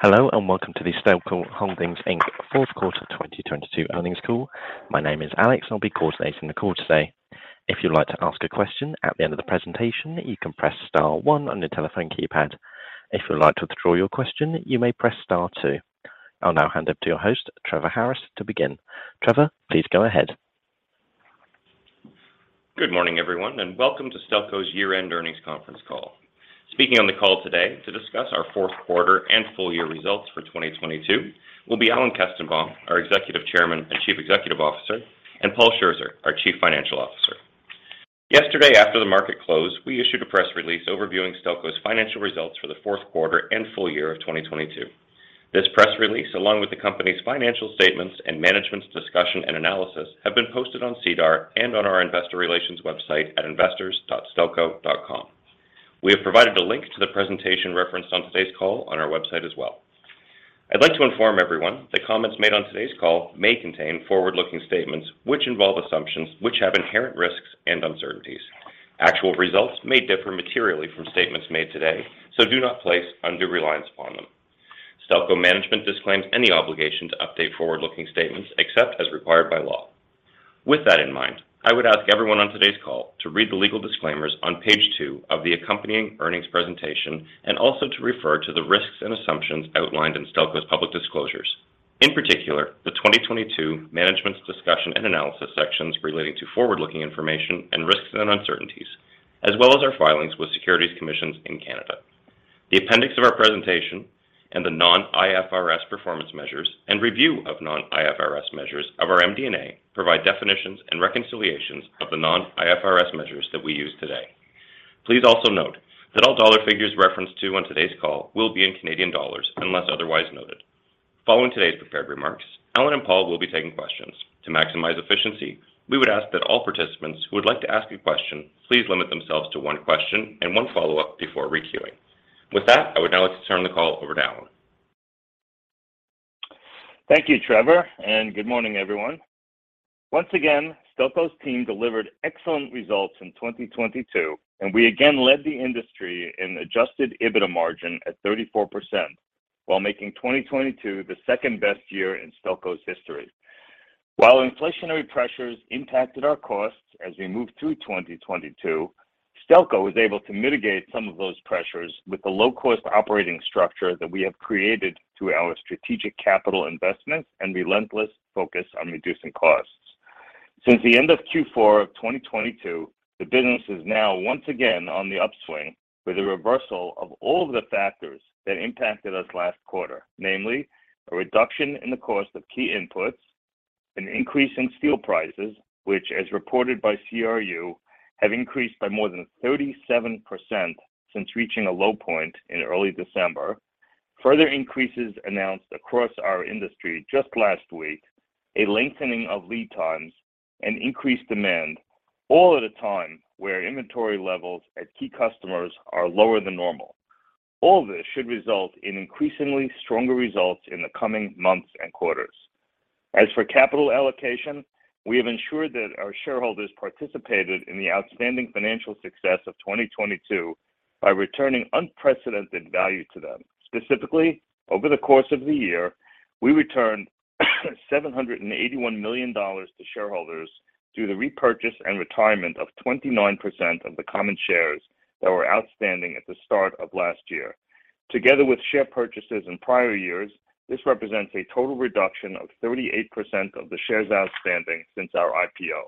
Hello, and welcome to the Stelco Holdings Inc. Q4 2022 earnings call. My name is Alex and I'll be coordinating the call today. If you'd like to ask a question at the end of the presentation, you can press star one on your telephone keypad. If you'd like to withdraw your question, you may press star two. I'll now hand up to your host, Trevor Harris, to begin. Trevor, please go ahead. Good morning, everyone, and welcome to Stelco's year-end earnings conference call. Speaking on the call today to discuss our Q4 and full year results for 2022 will be Alan Kestenbaum, our Executive Chairman and Chief Executive Officer, and Paul Scherzer, our Chief Financial Officer. Yesterday, after the market closed, we issued a press release overviewing Stelco's financial results for the Q4 and full year of 2022. This press release, along with the company's financial statements and management's discussion and analysis, have been posted on SEDAR and on our investor relations website at investors.stelco.com. We have provided a link to the presentation referenced on today's call on our website as well. I'd like to inform everyone that comments made on today's call may contain forward-looking statements which involve assumptions which have inherent risks and uncertainties. Actual results may differ materially from statements made today, so do not place undue reliance upon them. Stelco management disclaims any obligation to update forward-looking statements except as required by law. With that in mind, I would ask everyone on today's call to read the legal disclaimers on page two of the accompanying earnings presentation and also to refer to the risks and assumptions outlined in Stelco's public disclosures. In particular, the 2022 Management's Discussion and Analysis sections relating to forward-looking information and risks and uncertainties, as well as our filings with securities commissions in Canada. The appendix of our presentation and the non-IFRS performance measures and review of non-IFRS measures of our MD&A provide definitions and reconciliations of the non-IFRS measures that we use today. Please also note that all dollar figures referenced to on today's call will be in Canadian dollars unless otherwise noted. Following today's prepared remarks, Alan and Paul will be taking questions. To maximize efficiency, we would ask that all participants who would like to ask a question, please limit themselves to one question and one follow-up before re-queuing. With that, I would now like to turn the call over to Alan. Thank you, Trevor. Good morning, everyone. Once again, Stelco's team delivered excellent results in 2022, and we again led the industry in Adjusted EBITDA margin at 34% while making 2022 the second best year in Stelco's history. While inflationary pressures impacted our costs as we moved through 2022, Stelco was able to mitigate some of those pressures with the low-cost operating structure that we have created through our strategic capital investments and relentless focus on reducing costs. Since the end of Q4 of 2022, the business is now once again on the upswing with a reversal of all the factors that impacted us last quarter, namely, a reduction in the cost of key inputs, an increase in steel prices, which, as reported by CRU, have increased by more than 37% since reaching a low point in early December. Further increases announced across our industry just last week, a lengthening of lead times and increased demand, all at a time where inventory levels at key customers are lower than normal. All this should result in increasingly stronger results in the coming months and quarters. As for capital allocation, we have ensured that our shareholders participated in the outstanding financial success of 2022 by returning unprecedented value to them. Specifically, over the course of the year, we returned $ 781 million to shareholders through the repurchase and retirement of 29% of the common shares that were outstanding at the start of last year. Together with share purchases in prior years, this represents a total reduction of 38% of the shares outstanding since our IPO.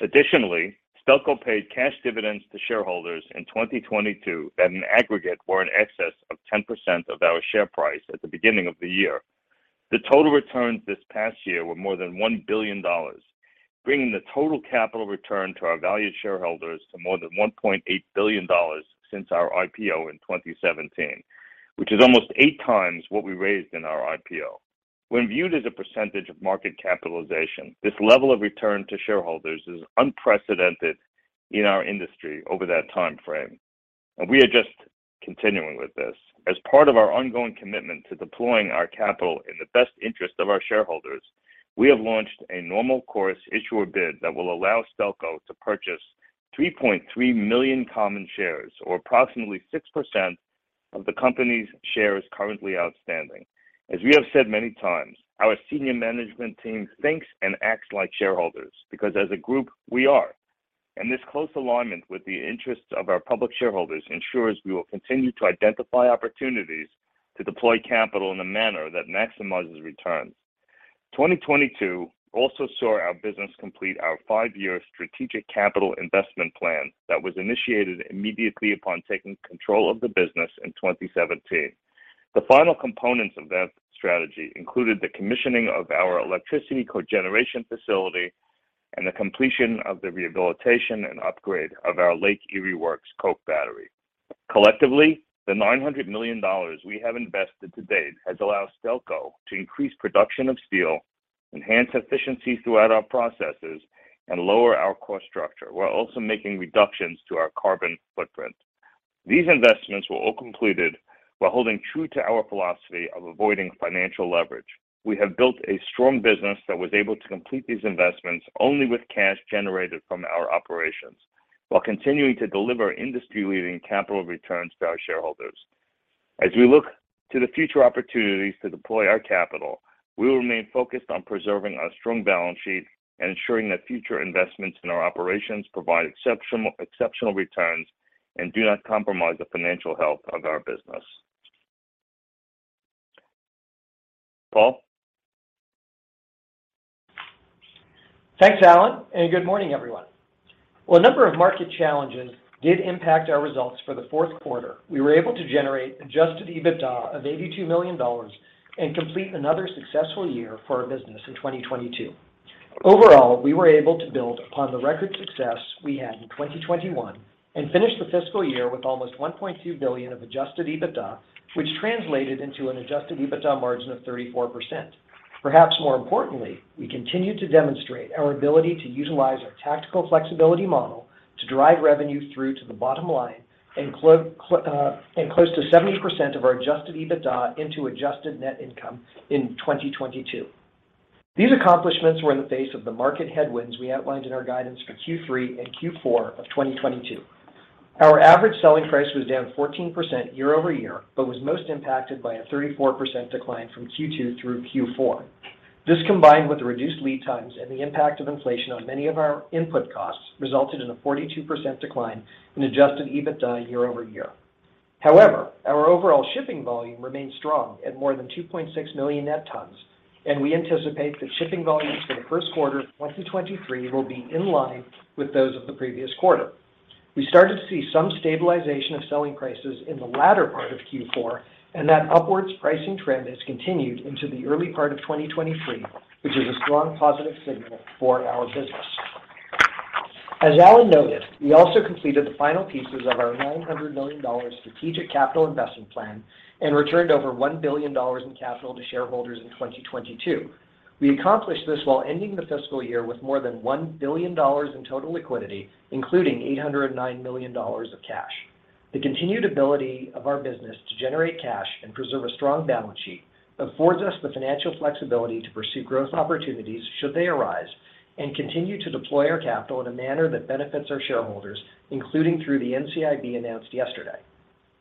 Additionally, Stelco paid cash dividends to shareholders in 2022 that in aggregate were in excess of 10% of our share price at the beginning of the year. The total returns this past year were more than $ 1 billion, bringing the total capital return to our valued shareholders to more than $ 1.8 billion since our IPO in 2017, which is almost eight times what we raised in our IPO. When viewed as a percentage of market capitalization, this level of return to shareholders is unprecedented in our industry over that time frame, and we are just continuing with this. As part of our ongoing commitment to deploying our capital in the best interest of our shareholders, we have launched a Normal Course Issuer Bid that will allow Stelco to purchase 3.3 million common shares, or approximately 6% of the company's shares currently outstanding. As we have said many times, our senior management team thinks and acts like shareholders, because as a group, we are. This close alignment with the interests of our public shareholders ensures we will continue to identify opportunities to deploy capital in a manner that maximizes returns. 2022 also saw our business complete our five-year strategic capital investment plan that was initiated immediately upon taking control of the business in 2017. The final components of that strategy included the commissioning of our electricity cogeneration facility and the completion of the rehabilitation and upgrade of our Lake Erie Works coke battery. Collectively, the $ 900 million we have invested to date has allowed Stelco to increase production of steel, enhance efficiency throughout our processes, and lower our cost structure, while also making reductions to our carbon footprint. These investments were all completed while holding true to our philosophy of avoiding financial leverage. We have built a strong business that was able to complete these investments only with cash generated from our operations. Continuing to deliver industry-leading capital returns to our shareholders. As we look to the future opportunities to deploy our capital, we will remain focused on preserving our strong balance sheet and ensuring that future investments in our operations provide exceptional returns and do not compromise the financial health of our business. Paul? Thanks, Alan. Good morning, everyone. Well, a number of market challenges did impact our results for the Q4. We were able to generate Adjusted EBITDA of $ 82 million and complete another successful year for our business in 2022. Overall, we were able to build upon the record success we had in 2021 and finish the fiscal year with almost $ 1.2 billion of Adjusted EBITDA, which translated into an Adjusted EBITDA margin of 34%. Perhaps more importantly, we continued to demonstrate our ability to utilize our tactical flexibility model to drive revenue through to the bottom line and close to 70% of our Adjusted EBITDA into Adjusted Net Income in 2022. These accomplishments were in the face of the market headwinds we outlined in our guidance for Q3 and Q4 of 2022. Our average selling price was down 14% year-over-year, was most impacted by a 34% decline from Q2 through Q4. This combined with the reduced lead times and the impact of inflation on many of our input costs, resulted in a 42% decline in Adjusted EBITDA year-over-year. Our overall shipping volume remains strong at more than 2.6 million net tons, and we anticipate that shipping volumes for the Q1 of 2023 will be in line with those of the previous quarter. We started to see some stabilization of selling prices in the latter part of Q4, that upwards pricing trend has continued into the early part of 2023, which is a strong positive signal for our business. As Alan noted, we also completed the final pieces of our $ 900 million strategic capital investment plan and returned over $ 1 billion in capital to shareholders in 2022. We accomplished this while ending the fiscal year with more than $ 1 billion in total liquidity, including $ 809 million of cash. The continued ability of our business to generate cash and preserve a strong balance sheet affords us the financial flexibility to pursue growth opportunities should they arise, and continue to deploy our capital in a manner that benefits our shareholders, including through the NCIB announced yesterday.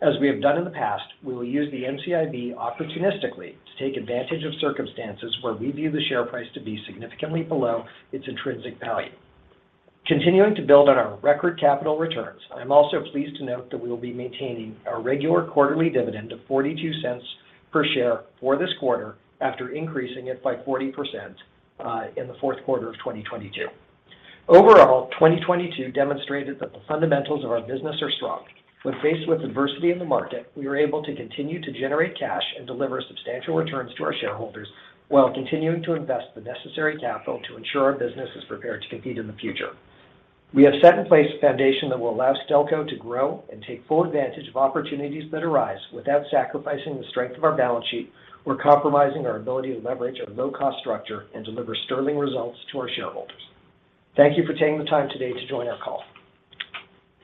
As we have done in the past, we will use the NCIB opportunistically to take advantage of circumstances where we view the share price to be significantly below its intrinsic value. Continuing to build on our record capital returns, I'm also pleased to note that we will be maintaining our regular quarterly dividend of $ 0.42 per share for this quarter after increasing it by 40% in the Q4 of 2022. Overall, 2022 demonstrated that the fundamentals of our business are strong. When faced with adversity in the market, we were able to continue to generate cash and deliver substantial returns to our shareholders while continuing to invest the necessary capital to ensure our business is prepared to compete in the future. We have set in place a foundation that will allow Stelco to grow and take full advantage of opportunities that arise without sacrificing the strength of our balance sheet or compromising our ability to leverage our low-cost structure and deliver sterling results to our shareholders. Thank you for taking the time today to join our call.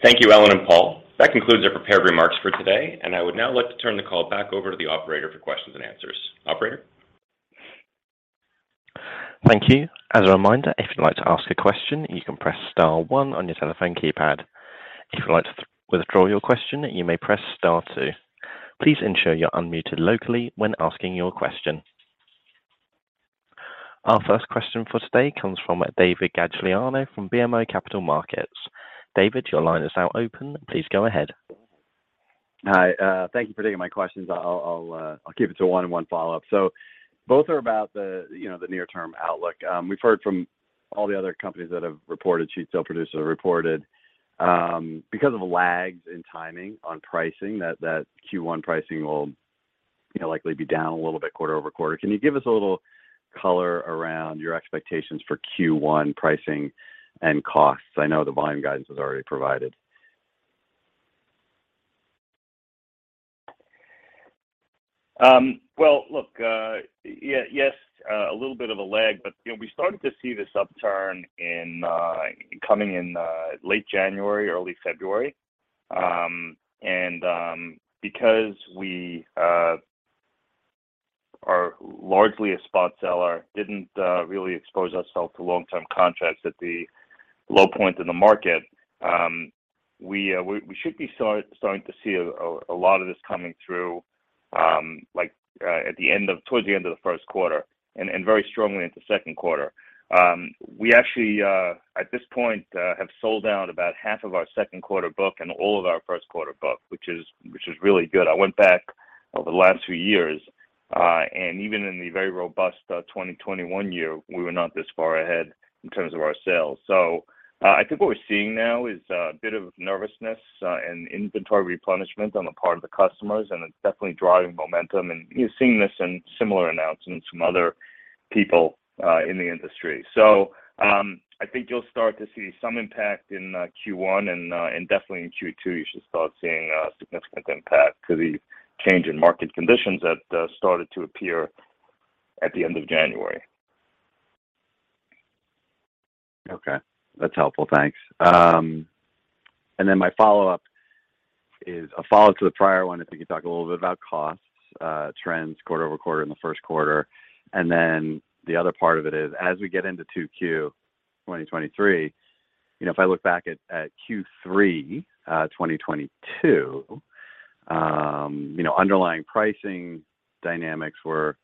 Thank you, Alan and Paul. That concludes our prepared remarks for today. I would now like to turn the call back over to the operator for questions and answers. Operator? Thank you. As a reminder, if you'd like to ask a question, you can press star one on your telephone keypad. If you'd like to withdraw your question, you may press star two. Please ensure you're unmuted locally when asking your question. Our first question for today comes from David Gagliano from BMO Capital Markets. David, your line is now open. Please go ahead. Thank you for taking my questions. I'll keep it to one and one follow-up. Both are about the, you know, the near-term outlook. We've heard from all the other companies that have reported, sheet steel producers have reported, because of lags in timing on pricing, that Q1 pricing will, you know, likely be down a little bit quarter-over-quarter. Can you give us a little color around your expectations for Q1 pricing and costs? I know the volume guidance was already provided. Well, look, yes, a little bit of a lag, but, you know, we started to see this upturn in coming in late January, early February. Because we are largely a spot seller, didn't really expose ourselves to long-term contracts at the low points in the market, we should be starting to see a lot of this coming through towards the end of the Q1 and very strongly into Q2. We actually, at this point, have sold down about half of our Q2 book and all of our Q1 book, which is really good. I went back over the last two years, and even in the very robust 2021 year, we were not this far ahead in terms of our sales. I think what we're seeing now is a bit of nervousness and inventory replenishment on the part of the customers, and it's definitely driving momentum. You're seeing this in similar announcements from other people in the industry. I think you'll start to see some impact in Q1 and definitely in Q2, you should start seeing a significant impact to the change in market conditions that started to appear at the end of January. That's helpful. Thanks. My. Is a follow-up to the prior one, if you could talk a little bit about costs, trends quarter-over-quarter in the Q1. The other part of it is as we get into 2Q 2023, you know, if I look back at Q3 2022, you know, underlying pricing dynamics were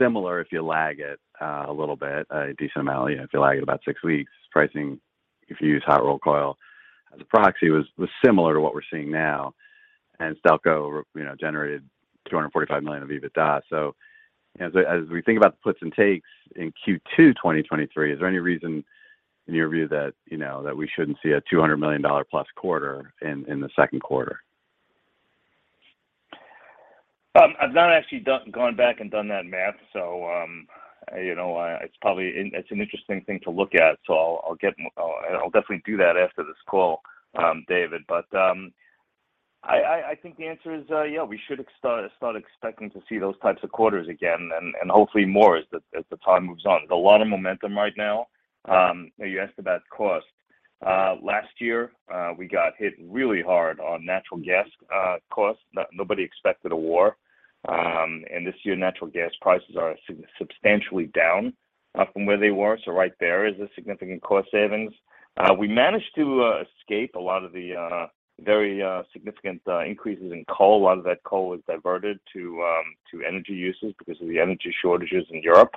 similar if you lag it a little bit, a decent amount, you know, if you lag it about six weeks, pricing, if you use hot-rolled coil as a proxy, was similar to what we're seeing now. Stelco, you know, generated $ 245 million of EBITDA. As we think about the puts and takes in Q2 2023, is there any reason in your view that, you know, that we shouldn't see a $200 million plus quarter in the Q2? I've not actually gone back and done that math, you know, it's an interesting thing to look at. I'll definitely do that after this call, David. I think the answer is, yeah, we should start expecting to see those types of quarters again, and hopefully more as the time moves on. There's a lot of momentum right now. You asked about cost. Last year, we got hit really hard on natural gas costs. Nobody expected a war. This year, natural gas prices are substantially down from where they were. Right there is a significant cost savings. We managed to escape a lot of the very significant increases in coal. A lot of that coal was diverted to energy uses because of the energy shortages in Europe.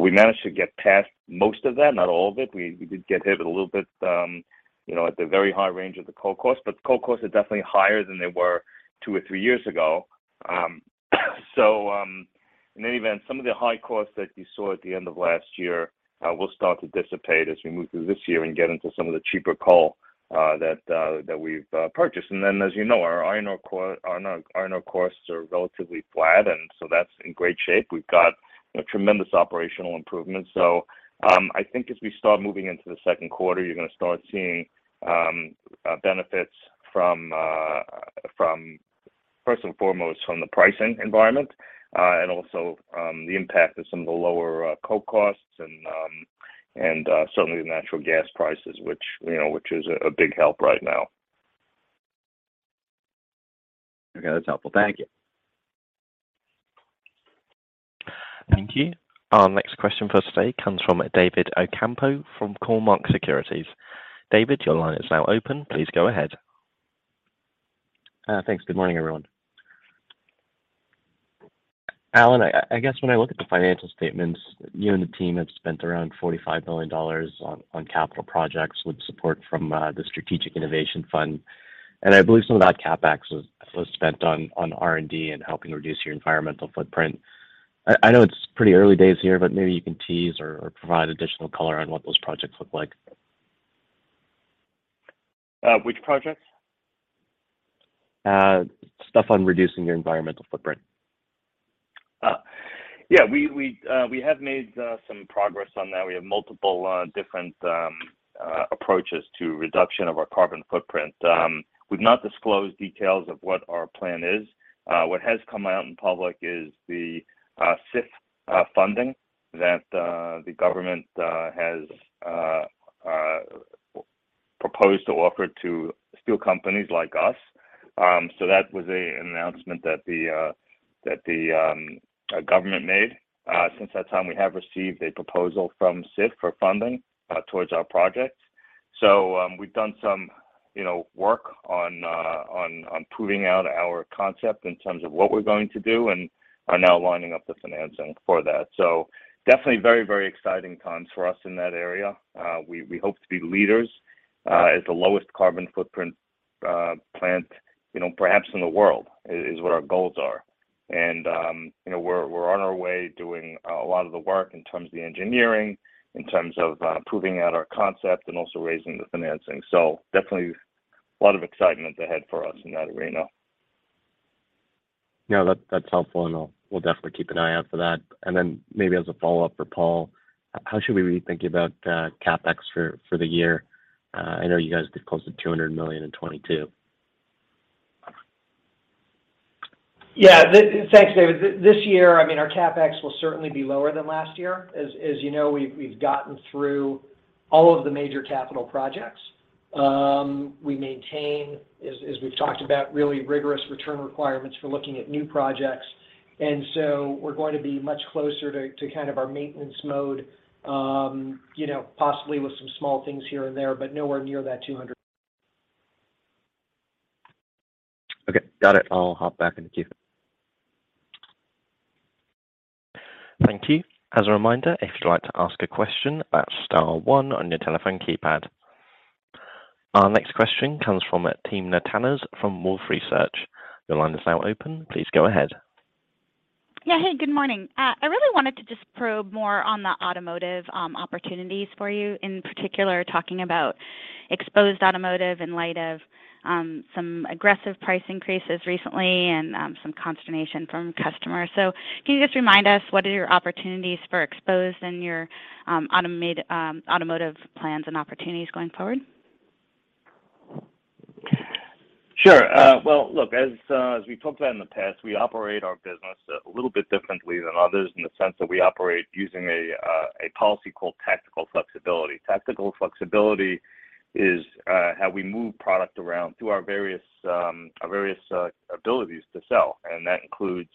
We managed to get past most of that, not all of it. We did get hit a little bit, you know, at the very high range of the coal cost, but the coal costs are definitely higher than they were two or three years ago. In any event, some of the high costs that you saw at the end of last year will start to dissipate as we move through this year and get into some of the cheaper coal that we've purchased. As you know, our iron ore costs are relatively flat, and so that's in great shape. We've got tremendous operational improvements. I think as we start moving into the Q2, you're gonna start seeing benefits from first and foremost, from the pricing environment, and also the impact of some of the lower coal costs and certainly the natural gas prices, which, you know, is a big help right now. Okay. That's helpful. Thank you. Thank you. Our next question for today comes from David Ocampo from Cormark Securities. David, your line is now open. Please go ahead. Thanks. Good morning, everyone. Alan, I guess when I look at the financial statements, you and the team have spent around $ 45 million on capital projects with support from the Strategic Innovation Fund. I believe some of that CapEx was spent on R&D and helping reduce your environmental footprint. I know it's pretty early days here, but maybe you can tease or provide additional color on what those projects look like. Which projects? Stuff on reducing your environmental footprint. Yeah. We have made some progress on that. We have multiple different approaches to reduction of our carbon footprint. We've not disclosed details of what our plan is. What has come out in public is the SIF funding that the government has proposed to offer to steel companies like us. That was an announcement that the government made. Since that time, we have received a proposal from SIF for funding towards our projects. We've done some, you know, work on proving out our concept in terms of what we're going to do and are now lining up the financing for that. Definitely very, very exciting times for us in that area. We hope to be leaders, as the lowest carbon footprint, plant, you know, perhaps in the world is what our goals are. You know, we're on our way doing a lot of the work in terms of the engineering, in terms of, proving out our concept and also raising the financing. Definitely a lot of excitement ahead for us in that arena. No, that's helpful, and we'll definitely keep an eye out for that. Then maybe as a follow-up for Paul, how should we be thinking about CapEx for the year? I know you guys did close to $ 200 million in 2022. Yeah. Thanks, David. This year, I mean, our CapEx will certainly be lower than last year. As you know, we've gotten through all of the major capital projects. We maintain, as we've talked about, really rigorous return requirements for looking at new projects. We're going to be much closer to kind of our maintenance mode, you know, possibly with some small things here and there, but nowhere near that $ 200. Okay. Got it. I'll hop back in the queue. Thank you. As a reminder, if you'd like to ask a question, that's star one on your telephone keypad. Our next question comes from Timna Tanners from Wolfe Research. Your line is now open. Please go ahead. Yeah. Hey, good morning. I really wanted to just probe more on the automotive opportunities for you, in particular talking about exposed automotive in light of some aggressive price increases recently and some consternation from customers. Can you just remind us what are your opportunities for exposed and your automotive plans and opportunities going forward? Sure. Well, look, as we've talked about in the past, we operate our business a little bit differently than others in the sense that we operate using a policy called tactical flexibility. Tactical flexibility is how we move product around through our various abilities to sell, and that includes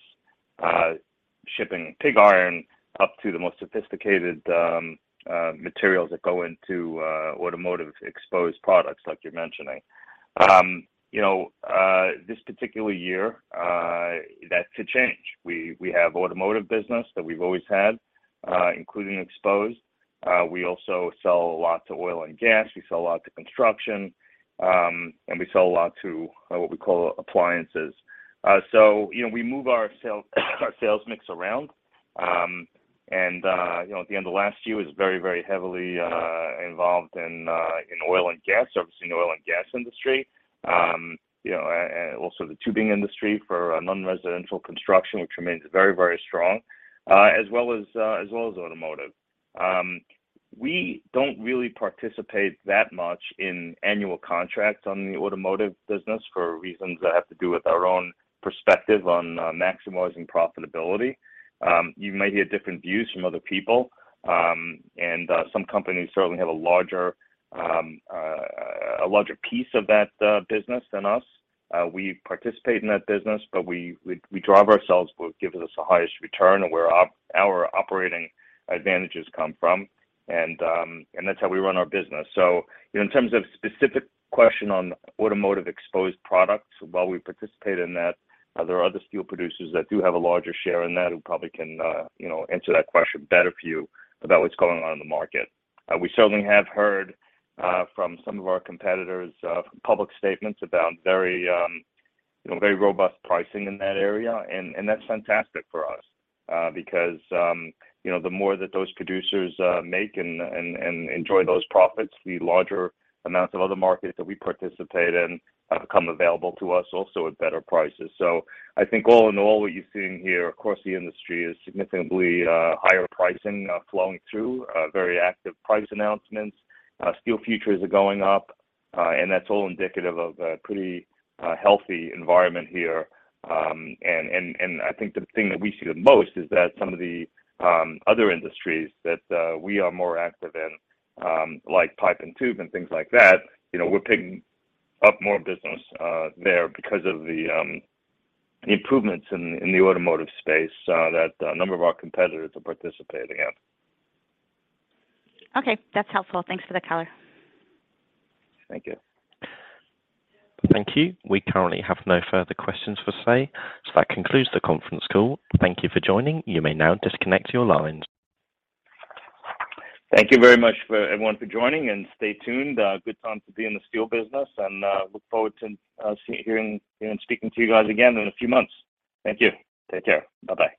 Shipping pig iron up to the most sophisticated materials that go into automotive exposed products like you're mentioning. You know, this particular year, that could change. We have automotive business that we've always had, including exposed. We also sell a lot to oil and gas. We sell a lot to construction, and we sell a lot to what we call appliances. You know, we move our sales, our sales mix around. You know, at the end of last year was very, very heavily involved in oil and gas, obviously in the oil and gas industry. You know, and also the tubing industry for non-residential construction, which remains very, very strong, as well as automotive. We don't really participate that much in annual contracts on the automotive business for reasons that have to do with our own perspective on maximizing profitability. You may hear different views from other people, and some companies certainly have a larger piece of that business than us. We participate in that business, but we drive ourselves what gives us the highest return and where our operating advantages come from. That's how we run our business. In terms of specific question on automotive exposed products, while we participate in that, there are other steel producers that do have a larger share in that who probably can, you know, answer that question better for you about what's going on in the market. We certainly have heard from some of our competitors, public statements about very, you know, very robust pricing in that area. That's fantastic for us, because, you know, the more that those producers make and enjoy those profits, the larger amounts of other markets that we participate in have become available to us also at better prices. I think all in all, what you're seeing here across the industry is significantly higher pricing flowing through, very active price announcements. Steel futures are going up, and that's all indicative of a pretty healthy environment here. I think the thing that we see the most is that some of the other industries that we are more active in, like pipe and tube and things like that, you know, we're picking up more business there because of the improvements in the automotive space that a number of our competitors are participating in. Okay. That's helpful. Thanks for the color. Thank you. Thank you. We currently have no further questions for Stelco. That concludes the conference call. Thank you for joining. You may now disconnect your lines. Thank you very much for everyone for joining, and stay tuned. good time to be in the steel business and look forward to hearing you and speaking to you guys again in a few months. Thank you. Take care. Bye-bye.